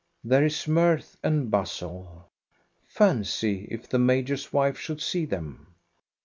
There is mirth and bustle. Fancy, if the major's wife should see them